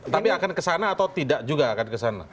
tapi akan ke sana atau tidak juga akan ke sana